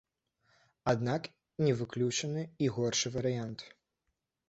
Аднак не выключаны і горшы варыянт.